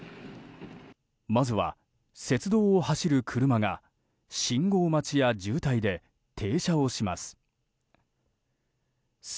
まずは、雪道を走る車が信号待ちや渋滞で停車をします。